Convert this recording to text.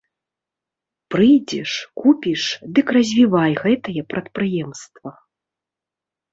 Прыйдзеш, купіш, дык развівай гэтае прадпрыемства.